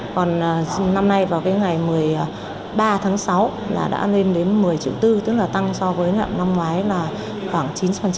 còn năm nay vào cái ngày một mươi ba tháng sáu là đã lên đến một mươi triệu tư tức là tăng so với năm ngoái là khoảng chín